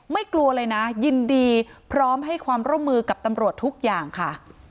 กลัวเลยนะยินดีพร้อมให้ความร่วมมือกับตำรวจทุกอย่างค่ะ